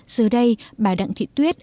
giờ đây bà đặng thị tuyết